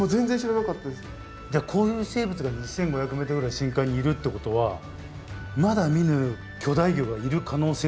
じゃあこういう生物が２，５００ｍぐらいの深海にいるってことはまだ見ぬ巨大魚がいる可能性っていうのは？